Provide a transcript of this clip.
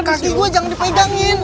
kaki gue jangan dipegangin